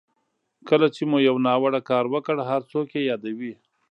کله چې مو یو ناوړه کار وکړ هر څوک یې یادوي.